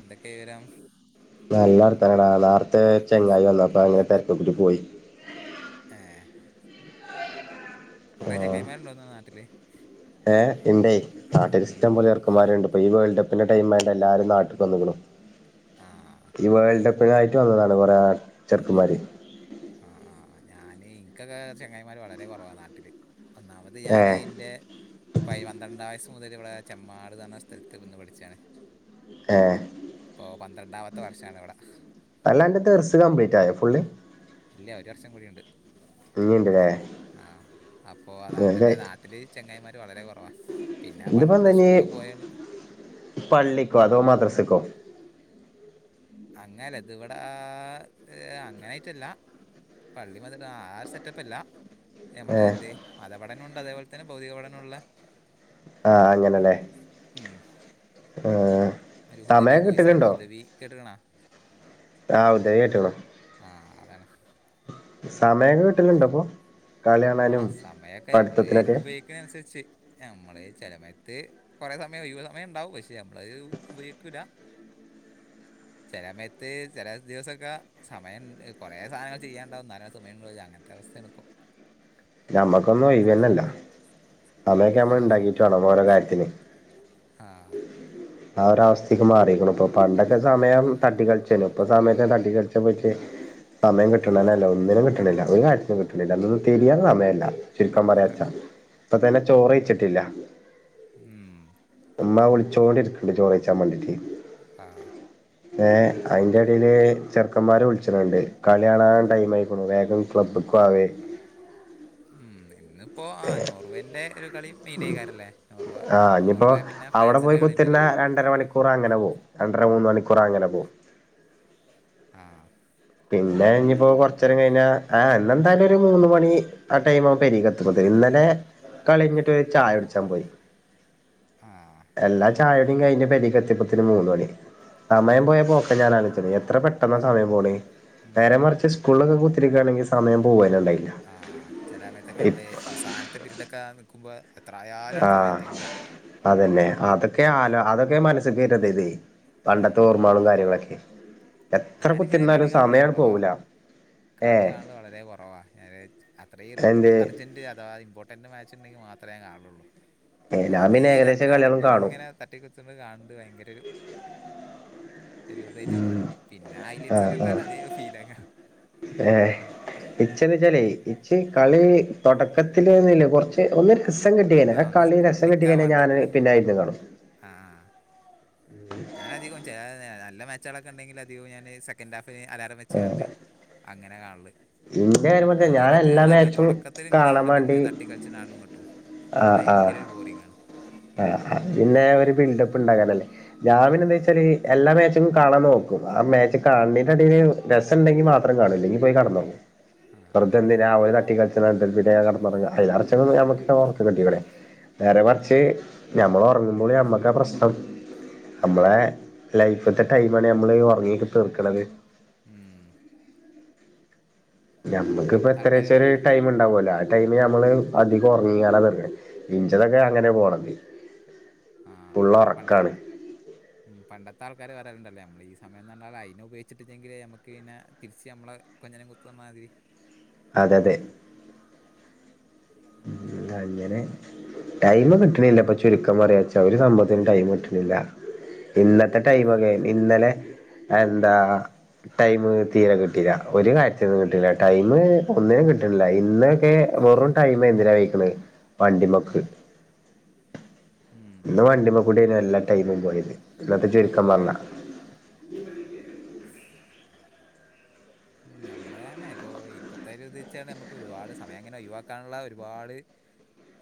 എന്തൊക്കെ വിവരം നല്ല വർത്താനടാ നാർത്തെ ഒരു ചെങ്ങായി വന്നപ്പ അങ്ങനെ തിരക്ക് കൂടെ പോയി ഏഹ് കൊറെ ചങ്ങായിമാര് ഉണ്ടോന്ന് നാട്ടില് ഏഹ് ഇണ്ടേയ് ഉം നാട്ടിലിഷ്ടം പോലെ ചെർക്കമാര്ണ്ട് ഈ വേൾഡ് കപ്പിൻ്റെ ടൈം ആയതോണ്ട് എല്ലാരും നാട്ട്ക്ക് വന്ന്ക്കുണൂ ആ ഈ വേൾഡ് കപ് കപ്പിനായിറ്റ് വന്നതാണ് കൊറെ ചെർക്കമാര് ആഹ് ഞാനേയ് ഇനിക്കങ്ങനെ ചങ്ങായിമാര് വളരെ കുറവാ നാട്ടില് ഒന്നാമത് ഏ ഞാന് ഇൻ്റെ പയ് പന്ത്രണ്ടാം വയസ്സ് മുതല് ഇവിടെ ചെമ്മാട്നർണ സ്ഥലത്ത് നിന്ന് പഠിച്ചാണ് ഏഹ് ഇപ്പോൾ പന്ത്രണ്ടാമത്തെ വർഷമാണ് ഇവിടെ അല്ലാൻ്റെ ദറസ്സ് കംപ്ലീറ്റ് ആയോ പുള്ളി ഇല്ല ഒരു വർഷം കൂടി ഉണ്ട് ഇഞ്ഞിണ്ട്ല്ലേ വേഗായിക് ചെങ്ങായിമാര് വളരെ കൊറവാ ഇത്പ്പന്താഞ്ഞീ പള്ളിക്കോ അതോ മദ്രസ്സ്ക്കോ അങ്ങനെല്ലാ ദിവടആ ത് അങ്ങനെ ആയിട്ടല്ല പള്ളിമൊതല് ആ ഒരുസെറ്റപ്പ് അല്ലാ ഏ ഞമ്മളെ എന്തേ മതപഠനവുണ്ട് അതേപോലെത്തന്നെ ഭൗതിക പഠനമുള്ളെ ആഹ് അങ്ങനെല്ലെ ഉം ആഹ് ഒരു ഹുദവി കോഴ്സാണ് ഹുദവി കേട്ട്ക്ണാ ആഹ് ഉദവി കേട്ട്ക്കുണു ആ അതാണ് സമയം കിട്ടുന്നുണ്ടോ അപ്പൊ കളി ആ കാണാനും സമയൊക്കെ നമ്മൾ പഠിത്തത്തിനൊക്കെ ഉപയോഗിക്കണേ അനുസരിച്ച് നമ്മൾ ചെലസമയത്ത് കൊറെ സമയം ഒഴിവ് സമയം ഉണ്ടാവും പക്ഷെ നമ്മൾ അത് ഉപയോഗിക്കൂല [inaudible] ചെല സമയത്ത് ചില ദിവസൊക്കെ സമയം കൊറെ സാധനങ്ങൾ ചെയ്യാൻ ഉണ്ടാവും എന്നാലും സമയം [unintelligible] അങ്ങനത്തെ അവസ് [inaudible] നമ്മക്കൊന്നും ഒഴിവന്നെയില്ല സമയൊക്കെ ആ നമ്മൾ ഉണ്ടാകീട്ട് വേണം ഓരോ കാര്യത്തിന് ആ ആ ഒരു അവസ്ഥക്ക് മാറിയേക്കണ് ഇപ്പൊ പണ്ടൊക്കെ സമയം തട്ടി കളിച്ചേന്നു ഇപ്പൊ സമയത്തിനെ തട്ടി കളിച്ച പറ്റെ സമയം ഉം കിട്ടണില്ല ഒന്നിനും കിട്ടണില്ല ഒരു കാര്യത്തിനും കിട്ടണില്ല നിന്ന് തിരിയാൻ സമയം ഇല്ല ചുരുക്കം [unintelligible] ഇപ്പതന്നെ ചോറ് കൈച്ചട്ടില്ല ഉം ഉമ്മ വിളിച്ചോണ്ടിരിക്കണ് ചോറ് കഴിച്ചാൻ വേണ്ടിട്ട് ആഹ് ഏഹ് അതിന്റെ എടയില് ചെക്കന്മാർ [unintelligible] കളി കാണാൻ ടൈം ആയിക്കണു വേഗം ക്ലബ്ബിക്ക് വാ വാവേ ഇപ്പൊ ആ നോർവേൻ്റെ ഒരു കളിയും ആഹ് ഇനിപ്പോ പിന്നെ അവടെ പോയി ഫ്രാൻസിന്റെ കളി ഉണ്ടല്ലോ കുത്തിരുന്ന അല്ലേ രണ്ടര മണിക്കൂറ് അങ്ങനെ പോകും രണ്ട രണ്ടര മൂന്ന് മണിക്കൂർ അങ്ങനെ പോകും ആഹ് പിന്നെ ഞ്ഞ്പ്പൊ കൊറച്ചേരം കഴിഞ്ഞാ ആ ഇന്ന് ന്തായാലും ഒര് മൂന്ന് മണി ആ ടൈമ്ആവും പേരിക്കെത്തുമ്പോത് ഇന്നലെ കളിയ്ഞ്ഞിട്ട് ഒര് ചായട്ച്ചാൻ പോയി ആ എല്ലാ ചായുടീം കയിഞ് പെരീക്കെത്തിപ്പത്തിന് മൂന്നണി സമയം പോയ പോക്ക ഞാനാലോച്ച് ണേ എത്ര പെട്ടെന്നാ സമയം പോണേ നേരെ ഉം മറിച്ച് സ്കൂളിലൊക്കെ കുത്തിരിക്കാണെങ്കി സമയം പോവാ ആഹ് ചില സമയത്തൊക്കെ മ്മള് അവസാനത്തെ പിരീഡൊക്കെ നിക്കുമ്പം ആ അതന്നെ അതൊക്കെ ആല അതൊക്കെ മൻസ്സ്ക്ക് വര്ന്നതേ തേ പണ്ടത്തെ ഉം ഓർമ്മകളും കാര്യങ്ങളൊക്കെ എത്ര ഞാനിങ്ങനെ കളി കുത്തിര്ന്നാലും കാണല് സമയ കുറവാ പോവൂല ഏ കളി കാണല് വളരെ കുറവാ ഞാന് അത്ര എന്ത് അർജന്റ് അഥവാ ഇമ്പോർട്ടന്റ് മാച്ച് ണ്ടെങ്കിൽ മാ ത്രേ കാളെള്ളൂ ഏ ഞാൻ ഒന്നാമത് പിന്നെ ഈ ഏകദേശം രണ്ടര കളികളും മണിക്കൂർ കാണും ഇങ്ങനെ തട്ടി കുത്തർന്ന് കണ്ട് ഭയങ്കര ഒരു ഒര് തായിട്ട് തോന്നും പിന്നെ ആ ഹൈലൈറ്റ്സ് ഒക്കെ ആ ഉണ്ടായാലും അതേ ഫീലങ്ങ ഏ ഇച്ച്ന്ന് ച്ചാല് ഏയ് ഇച്ച് കളി തുടക്കത്തില് ന്ന്ല്ല കുറച്ച് ഒന്ന് രസം കിട്ടികയ്യിനാ ആ ഒന്ന് കളി രസം ക്ലിക്ക് കിട്ടികൈ ഞാ ആവാണ്ട് ഞാന് പിന്നയ് ന്റാ [unintelligible] ഞാന് അധികും ചെലെ നേരംനല്ല മേച്ചൊളൊക്കെ ണ്ടെങ്കില് അധികും ഞാന് സെക്കൻഡ് ഹാഫ് പിന്നെ അലാറം വെച്ചാണ്ട് അങ്ങനെ കാണല് ഇന്റെ കാര്യം പറഞ്ഞാ അതാ ഞാൻ മറ്റേ എല്ലാ ണ്ടല്ലോ മാച്ചും തൊടക്കത്ത്ല് ങ്ങനെ കാണാൻ ണ്ടല്ലോ വേണ്ടി ഇങ്ങനെ തട്ടി കൾച്ച്ണ് ആണ്ടു ഇങ്ങട്ടു ആ അത് ആ ഭയങ്കര ഒരു ബോറിംഗാണ് ആ അപിന്നെ ഒര് ബിൽഡപ്പ് ണ്ടാകാനല്ലേ ഞാ ആ പിന്നെ ന്താചാല് എല്ലാ മാച്ച് മം കാണാൻ നോക്കും ആ മാച്ച് കാ ണ് ണേറ്റെ ടീല് രസ ണ്ടങ്കി മാത്രം കാണും ഇല്ലങ്കി പോയി കട്ന്നൊർങ്ങും ആ വെറുതെന്തിനാ ഓല് തട്ടികൾ [unintelligible] കെട്ന്നൊർങ്ങ [unintelligible] നേരെ മർച്ച് ഞമ്മള് ഉറങ്ങുമ്പോളും ഞമ്മക്കാ പ്രശ്നം നമ്മളെ ലൈഫ്ത്തെ ടൈമാണ് നമ്മള് ഒറങ്ങീ തീർക്കണത് മ് ഞമ്മക്ക് പ്പോ എത്രച്ചാല് പറയാ ടൈം ണ്ടാവലോ ആ ടൈമ് ഞമ്മള് അതിക ഉർങ്ങാനാ വര്നേ ആ ഇന്റെതൊക്കെ അങ്ങനെ പോണത് ആ ഫുള്ള് ഞങ്ങൾ പണ്ടത്തെ ഒറക്കാണ് ആൾകാർ പണ്ടത്തെ ആൾ ക്കാര് പറയല്ണ്ടല്ലോ നമ്മള് ഈ സമയനർഞ്ഞാല് അയിനുഉപയോഗിച്ചിട്ട്ല്ലങ്കിലേ നമക്ക് പിന്ന തിരിച് നമ്മളെ കൊഞ്ഞനം കുത്തൂന്ന് റഞ്ഞമാതി [unintelligible] അതെതെ അങ്ങനെ ടൈം കിട്ട്ണ്ല്ല പ്പൊ ചുരുക്കം പറയാച്ചാ ഒരു സംഭവത്തിനും ടൈം കിട്ട്ണ്ല്ല ഇന്നത്തെ ടൈമൊക്കെ ഇന്നലെ എന്താ ടൈമ് തീരെ കിട്ടീല ഒര് കാര്യത്തിനും കിട്ടീല ടൈമ് ഒന്നിനും കിട്ട്ണ്ല്ല ഇന്നൊക്കെ വെറും ടൈമ് എന്തിനാ കയിക്ക്‌ണേ വണ്ടിമക്ക് ഉം ഇന്ന് വണ്ടിമ്മ കൂടെ നു എല്ലാ ടൈമും പോയത് [unintelligible] ത്തം ചുരുക്കം പറഞ്ഞാ [unintelligible] ഉം, നമ്മള് തന്നെ ഇപ്പൊ ഇപ്പത്തെ ഒരു ഇത് ച്ചാ നമക്ക് ഒരുപാട് സമയം ങ്ങനെ ഒഴിവാക്കാന്ള്ള ഒരുപാട്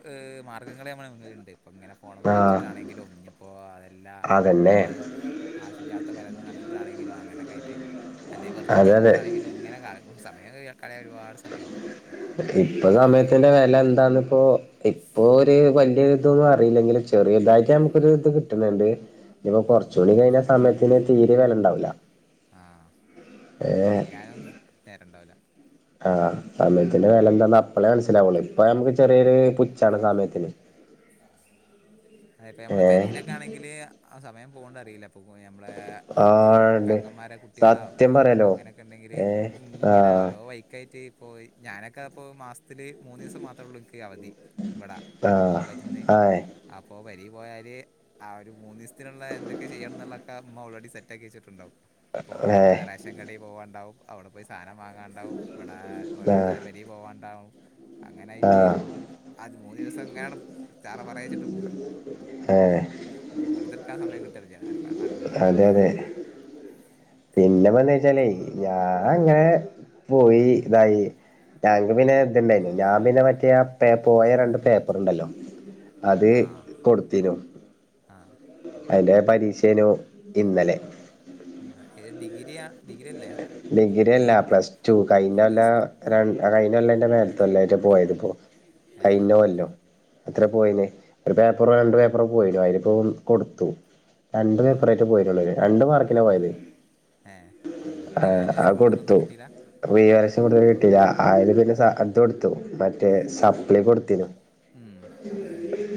ഹ് മാർഗങ്ങള് നമ്മളെ മുന്ന്ല്ണ്ട് ഇങ്ങനെ ഫോണ് മ്മ ആഹ് കളിച്ചിട്ടാണെങ്കിലും ഞ്ഞിപ്പോ അതല്ലാ അതന്നെ അ് ആ വിശ്യല്ലാത്ത പലതും കണ്ടിട്ടാണെങ്കിലും അങ്ങനൊക്കായിട്ട് അല്ലെ വെറ്തെ അതെ അതെ കുത്തർന്ന്ട്ടാണെ അ ര്ക്കും സമയം കയ്യാ ഇപ്പൊ സമയത്തിന്റെ വെല എന്താന്ന് പ്പോ ഇപ്പോ ഒര് വല്യ ഇതൊന്നും അറിയില്ലെങ്കിലും ചെറിയ ഉം, തായിട്ട് നമുക്കൊരിത് കി ഞ്ഞാണ്ട് ഇഞ്ഞ്പ്പോ ഉം. കൊറച്ചൂടെ കഴിഞ്ഞ കുറച്ചും കൂടി കഴിഞ്ഞാൽ സമയത്തിന് തീരെ വെല ണ്ടാവൂല ക്ക് തീയാ നെന്നും നേരണ്ടാവൂല ആ സമയത്തിന്റെ വെലന്താന്ന് അപ്പളേ മൻസ്സിലാവൊള്ളു ഇപ്പൊ നമ്മക്ക് ചെറിയൊരു പുച്ചാണ് സമയത്തിന് [unintelligible] നമ്മൾ ഏ പേരലൊക്കെ ആണെങ്കിൽ ആ സമയം പോകുന്നത് അറിയില്ല ഇപ്പൊ ഞമ്മളെ ആ എന്ത് ഉണ്ട് പെങ്ങമാരെ കുട്ടികളോ സത്യം പറയാലോ അങ്ങനൊക്കെ ഉണ്ടെങ്കിൽ ഏ ആ ഇങ്ങനെ ഓരോ വൈക്കായിട്ട് അപ്പോ ഞാനൊക്കെ അപ്പോ മാസത്തിൽ മൂന്ന് ദിവസം മാത്രേള്ളൂ അവധി ഇവിടെ ആ കോളേജിന്ന് ആ അപ്പോ പേരി പോയാൽ ആ ഒരു മൂന്ന് ദിവസത്തിനുള്ള എന്തൊക്കെ ചെയ്യണം എന്നുള്ളതക്കെ അമ്മ ഓൾറെഡി സെറ്റ് ആക്കി വെച്ചിട്ടുണ്ടാവും പോ ഏ റേഷൻ കടേൽ പോവണ്ടാവും അവിടെ പോയി സാന വാങ്ങാണ്ടാവും ഇവിടെ ആ ഓരോരുത്തരെ പേരിൽ പോകണ്ടാവും ആ അങ്ങനായിട്ട് അത് മൂന്ന് ദിവസം ഇങ്ങനെ അഡ് പോകും ചറ പറയച്ചിട്ട് പോകും ഏ ഉം, വെറുതെ എടുക്കാൻ സമയം കിട്ടലില്ല ഞാൻ നാട്ട് പോയാൽ പിന്നെ വന്നുവച്ചാലേ ഞാൻ അങ്ങനെ പോയി ഇതായി ഞങ്ങക്ക് പിന്നെ ഇതുണ്ടായിരുന്നു ഞാൻ പിന്നെ മറ്റേ ആ പോയ രണ്ട് പേപ്പറുണ്ടല്ലോ അത് ആ കൊടുത്തിന്നു ആ അതിന്റെ പരീക്ഷേനു ഇന്നലെ ആഏത് ഡിഗ്രിയാ ഡിഗ്രി അല്ലേ ഡിഗ്രി അല്ല പ്ലസ് ടു കഴിഞ്ഞകൊല്ല പ്ലസ് [unintelligible] അതിന്റെ മേലത്തകോല്ലായിട്ട് പോയതിപ്പോ ഏ കയിഞ്ഞകൊല്ലം അത്ര പോയിന്നു ഒരു പേപ്പറോ രണ്ട് പേപ്പറോ പോയിനു അതിനിപ്പോ കൊടുത്തു രണ്ട് ആ പേപ്പറായിട്ട് പോയിട്ടുള്ളൂ രണ്ട് മാർക്കിനാ പോയത് ഏ റിവാലുവേഷൻ കൊടുത്തിട്ടൊന്നും കിട്ടില്ല റിവാലേഷൻ കൊടുത്തിട്ട് കിട്ടില്ല അതിൽ പിന്നെ ഇത് കൊടുത്തു മറ്റേ സപ്ലി കൊടുത്തീനു ഉം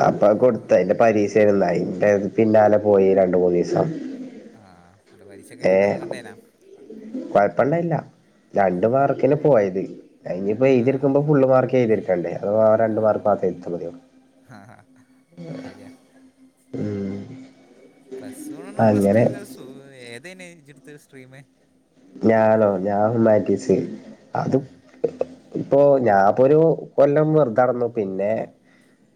അപ്പൊ ആ കൊടുത്തതിന്റെ [unintelligible] അയി ന്റെ പിന്നലെ പോയി രണ്ട് മൂന്ന് ദിവസം ആഎന്നിട്ട് പരീക്ഷ ഒക്കെ എങ്ങനെ ഏഹ് സുഖണ്ടേനോ [unintelligible] രണ്ട് മാർക്കിന് പോയത് അയിഞ്ഞ് ഇപ്പോ ആ എഴതിടുക്കുമ്പോ ഫുൾ മാർക്ക് [unintelligible] അഥവാ ആ രണ്ടു മാർക്ക്‌ മാത്രം എഴുതി എടുത്താ മതിയോ അത് ശരിയാ ഉം പ്ലസ് വൺ ഉം പ്ലസ് ടു അങ്ങനെ ഒക്കെ സു ഏതെന്നു ഇജ്ജ് ഇടുത്ത സ്ട്രീമ്? ഞാനോ ഞാന്ഹുമാറ്റീസ് ആ അതും ഇപ്പൊ ഞാപ്പൊരു കൊല്ലം വെറുതടന്നു പിന്നെ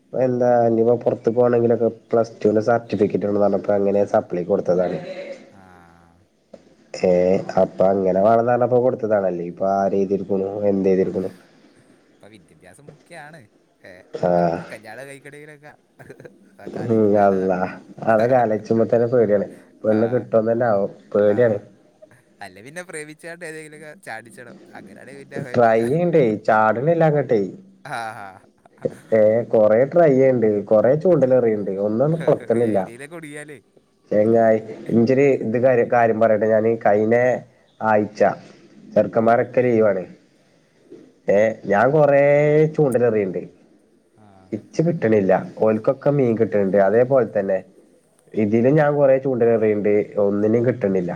ഇപ്പ എന്താ ഇനിപ്പ പുറത്തു പോകണെങ്കിലൊക്കെ പ്ലസ് ടുവിന്റെ സർട്ടിഫിക്കറ്റ്വേണം പറഞ്ഞപ്പോ അങ്ങനെ സപ്ലി കൊടുത്തതാണ് [inaudible] ആ ഏ അപ്പൊ അങ്ങനെ വേണംന്ന് പറഞ്ഞപ്പോ കൊടുത്തതാണ് അല്ലെങ്കിപ്പോ ആരുഴുതി ഇട്ക്കുന്നു എന്ത് എഴതിട്ക്കുന്നു ഇപ്പൊ വിദ്യാഭ്യാസംക്കെയാണ് ഏ ആ ഇപ്പൊ ഇവര് കല്യാണ കഴിക്കാണെകിലോക്കെ ഉം അല്ലാഹ് അതൊകെ അലോയിച്ചുമ്പ തന്നെ പേടിയാണ് പെണ്ണ് ആ കിട്ടോന്നഞ്ഞെവോ പേടിയാണ് ആഹ് അല്ല പിന്നെ പ്രേമിച്ചാട്ട് ഏതെങ്കിലൊക്കെ ചാടിച്ചണം അങ്ങനെയാണെ പിന്നെ ട്രൈയെയ്ണ്ടെ ചാട്ണ്ല്ലാ അങ്ങട്ടെ അ ആ ഏ കൊറെ ട്രൈയ്യെയ്ണ്ട് കൊറെ ചൂണ്ടല് എറിയ്ണ്ട് ഒന്നണ്ട് കൊളത്ത്ണില്ല. എയിലേലൊക്കെ കുടുങ്ങിയാലേ ചേങ്ങായി ഇന്റെര് ഇത് കാര്യ കാര്യം പറയട്ടെ ഞാന് കഴിഞ്ഞ ആഴ്ച്ച ചെറുക്കന്മാരൊക്കെ ലീവാണ്. ഏ ഞാൻ കൊറെ ചൂണ്ടലെറിയ്ണ്ട് ഇച്ച് കിട്ട്ണില്ല ഓൽക്കൊക്കെ മീൻ കിട്ട്ണ്ട് അതേപോലെ തന്നെ ഇതിലും ഞാൻ കുറെ ചൂണ്ടലെറിയിണ്ട് ഒന്നിനിം കിട്ട്ണില്ല.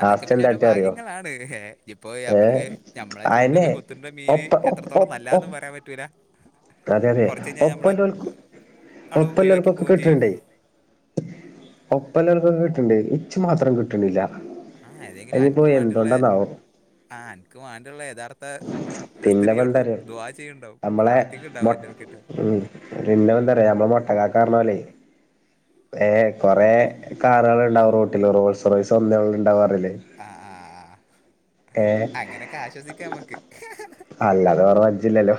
അതൊക്കെ പിന്നെ ഓരോ ഭാഗ്യങ്ങളാണ് ഏ ഇപ്പോ ഏ ഞമ്മള് നഞമ്മളെ ചൂണ്ടല് അയന്നെ കൊത്തുന്ന മീന് ഒപ്പ എത്ര ഒപ്പ ത്തോളം ഒപ്പ നല്ലാന്നും പറയ ഒപ്പ പ അതെ അതെ നമ്മളെ ഒപ്പല്ലോൽക്കും, ആട് ഒഴിവാക്കി ഒപ്പല്ലർക്കൊക്കെ പോവുകയും ചെയ്യും കിട്ടണ്ടേ ഒപ്പല്ലർക്കൊക്കെ കി എനിച്ചു മാത്രം കിട്ടണില്ല ആ ഏതെങ്കിലും അതിനിപ്പോ അനക്ക് വേണ്ടിയുള്ള എന്തുണ്ടെന്നാവോ ആ എനിക്ക് വേണ്ടിയുള്ള യഥാർത്ഥ സ്ത്രീ അവിടുന്ന് പിന്നെപ്പെന്താറിയോ ദുവാ ചെയ്യണ്ടാവും നമ്മളെ ഉം പിന്നെ എന്താ പറയാ നമ്മളെ മൊട്ടകാക്കാറുള്ളപോലെ ഏഹ് കൊറെ കാറുകളുണ്ടാവും റോട്ടില് റോൾസ് റോസ് ഒന്നേ ഉണ്ടാ അല്ലേ അങ്ങനൊക്കെ ആശ്വസിക്കാ നമ്മക്ക് അല്ലാത കൊറ മജജില്ലല്ലോ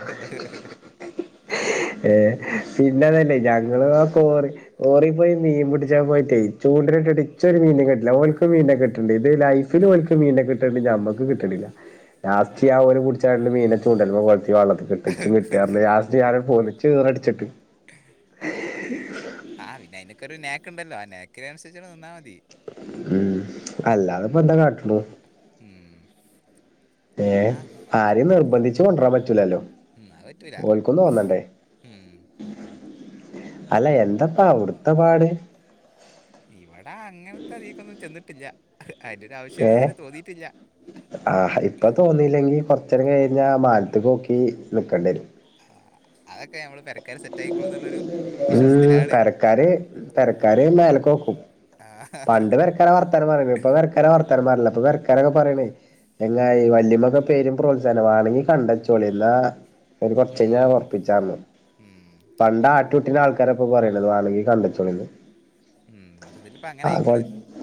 ഏഹ് പിന്നെ അതല്ലേ ഞങ്ങള് കോറി ഓറിപ്പോയി മീൻ പിടിച്ചാ പോയിട്ടേ ചൂണ്ടിനിട്ടിട്ട് ഇച്ച് ഒരു മീനും കിട്ടില്ല ഓൽക്ക് മീനെ കിട്ടണ്ട് ഇത് ലൈഫ് ഓൽക്ക് മീനെ കിട്ടണ്ട് നമ്മക്ക് കിട്ടിനില്ല ലാസ്റ്റ് ആ ഓരു പിടിച്ച മീനൊക്കെ ഉണ്ടല്ലോ വ വള്ള കെട്ടിച്ചും കിട്ടാ പറഞ്ഞ് ലാസ്റ്റ് ഞാന പോ ഇച്ച് ഈറടിച്ചിട്ട് ആ പിന്നെ അയിനക്കൊരു നാക്ക്ണ്ടല്ലോ ആ നാക്കിനനുസരിച്ചവിടെ നിന്നാ മതി ഉം അല്ലാതെ ഇപ്പൊ എന്താ കാട്ടണു ഉം ഏഹ് ആഹ് ആരേം നിർബന്ധിച്ച് കൊണ്ടുവരാൻ പറ്റൂലല്ലോ ഉം അത് പറ്റൂല ഓൽക്കും തോന്നണ്ടേ ഉം അല്ല എന്തപ്പാ അവിടുത്ത പാട് കില്ല അതിന്റെ ഒരു ആവശ്യം ഇതുവരെ തോന്നിട്ടില്ല ആഹ് ഇപ്പൊ തോന്നില്ലെങ്കി കൊറച്ച് നേരം കഴിഞ്ഞാ മാനത്തേക്ക് നോക്കി നിക്കേണ്ടി വരും ആഹ് അതൊക്കെ നമ്മൾ പെരക്കാര് സെറ്റ് ആയിക്കോളും എന്നുള്ളൊരു ഉം വിശ്വാസത്തിലാണ് തരക്കാര് തരക്കാര് മേലക്കോക്കും ആഹ് പണ്ട് പെരക്കാര വർത്താനം പറേണേ ഇപ്പ പെരക്കാര വർത്താനം പറേല്ല അപ്പൊ പെരക്കാരൊക്കെ പറയണേ ചെങ്ങായ് വല്യമ്മൊക്കെ പേരും പ്രോത്സാഹനംമാണെങ്കി കണ്ടച്ചോളി എന്നാ ഒരു കുറച്ച് കഴിഞ്ഞാ ഉം ഉറപ്പിച്ചാന്ന് ഉം പണ്ട ആട്ടിവിട്ടിന ആൾക്കാരപ്പോ പറയണ വാണെങ്കി കണ്ടച്ചൂളിന്ന് ഉം അതതിൽ ഇപ്പ അങ്ങനെ അയിക്കണ്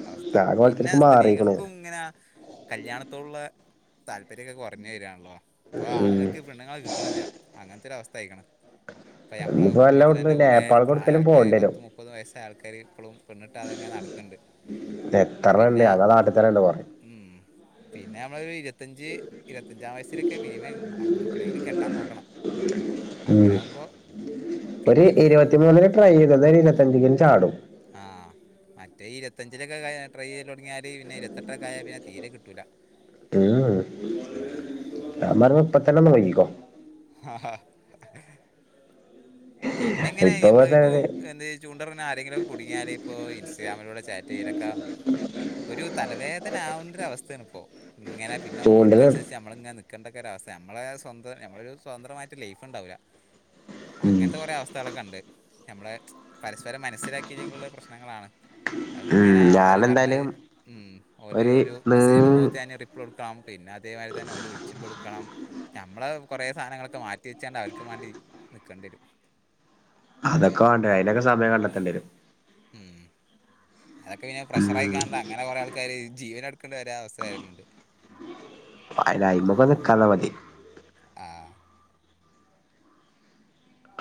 അവസ്ഥ പിന്നെ ആഗോളത്തിലേക്ക് മാറിക്ക്ണ് സ്ത്രീകൾക്കും ഇങ്ങന കല്യാണത്തോടുള്ള താല്പര്യമൊക്കെ കുറഞ്ഞേ വരിവാണല്ലോ ഇപ്പൊ ഉം ആണുൾക്ക് പെണ്ണുങ്ങൾ കിട്ടണുല്ല അങ്ങനത്തൊരു അവസ് തായ്ക്കണ് ഇപ്പ നമ്മള ഇനിയിപ്പോ കുടുംബത്തിൽ എല്ലോട്ത്തും തന്നെ കൊറെ നേപ്പാൾക്ക് പ്രായ എവ്ട്ക്കേലും ആൾക്കാർ പോണ്ടിരും പത്ത് മുപ്പത് വയസ്സ ആൾ ഇപ്പോളും പെണ്ണിട്ട് അതങ്ങനെ നടക്കണ്ട് പിന്ന എത്രണ്ണണ്ട് ഞങ്ങളെ നാട്ടി തന്നെണ്ട് കൊറേ ഉം പിന്ന നമ്മളൊരു ഇരുപത്തഞ്ച് ഇരുപത്തഞ്ചാം വയസ്സിലൊക്കെ മിനിമം അപ്പോളെങ്കിലും കെട്ടാൻ നോക്കണം ഉം അങ്ങനാകുമ്പോ ഒരു ഇരുപത്തിമൂന്നിന് ട്രൈ ചെയ്ത് ന്ന ഇരുപത്തഞ്ചിന് ചാടും ആ മറ്റേ ഇരുപത്തഞ്ചിലൊക്കെ ട്രൈ ചെയ്യൽ തുടങ്ങിയാല് പിന്നെ ഇരുപത്തെട്ടൊക്കെ ആയാ പിന്നെ തീരെ കിട്ടൂല ഉം ഞാൻ പറഞ്ഞ് ഇപ്പത്തന്നെ തുടങ്ങിക്കോ ആഹ് ഹാ പിന്നെ എങ്ങനെ ഇപ്പൊ നമ്മളിപ്പോ തന്നെ എന്ത് ചൂണ്ടെറിയണ ആരെങ്കിലും ഒക്കെ കുടുങ്ങിയാല് ഇപ്പോ ഇൻസ്റ്റാഗ്രാമിലൂടെ ചാറ്റ് ചേലൊക്ക ഒരു തലവേദന ആകണ്ടര അവസ്ഥയാണ് ഇപ്പോ ഇങ്ങനെ പിന്നെ ഓൽക്ക ചൂണ്ടല് അനുസരിച്ച് നമ്മൾ ഇങ്ങന നിക്കേണ്ട ഒക്ക ഒരവസ്ഥ നമ്മളെ സ്വന്തം നമ്മളരു സ്വതന്ത്രമായിട്ട് ലൈഫ് ഉണ്ടാവില്ല ഉം അങ്ങനത്തെ കുറേ അവസ്ഥകളൊക്കെ ഉണ്ട് നമ്മള് പരസ്പരം മനസ്സിലാക്കിയില്ലെങ്കിലുള്ള പ്രശ്നങ്ങളാണ് [inaudible] അങ്ങനാ ഓല് പറഞ്ഞത് ഞാനെന്തായാലും ഉം ഓല് ഒരു മെസേജ് ഇടുമ്പോഴത്തേ അതിന് റിപ്ലൈ കൊടുക്കണം പിന്ന അതേമാതിരി തന്നെ ഓല വിളിച്ചുമ്പ എടുക്കണം നമ്മള കുറേ സാധനങ്ങളൊക്കെ മാറ്റി വെച്ചാണ്ട് അവർക്ക് വേണ്ടി നിൽക്കേണ്ടി വരും അതൊക്കെ വേണ്ടേ അതിനൊക്കെ സമയം കണ്ടെത്തേണ്ടി വരും ഉം അതൊക്കെ പിന്നെ ഉം പ്രഷറായിക്കാണ്ട് അങ്ങനെ കൊറെ ആൾക്കാര് ജീവനൊടക്കേണ്ട വരെ അവസ്ഥ വരലുണ്ട് അയിന് ആയ്മമ നിക്കാതിരുന്നാ മതിയെ ആ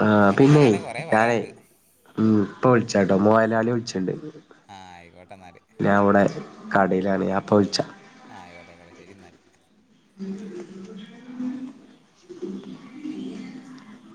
ആ അങ്ങനെ പിന്നെ പറയാണെങ്കിൽ കുറേ ഞാനേ പറയാനുണ്ട് ഉം ഇപ്പ വിളിച്ചട്ടോ മോയലാളി വിളിച്ച്ണ്ട് ആ ആയിക്കോട്ടെ ന്നാല്. കടയിലാണ് ഞാപ്പോ വിളിച്ച ആ ആയിക്കട്ടെ ആയിക്കോട്ടെ ശരിന്നാല്. ഉ [inaudible]